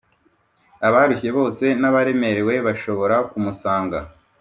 abarushye bose n’abaremerewe bashobora kumusanga